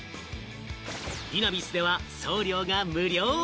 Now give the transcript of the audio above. リナビスでは送料が無料。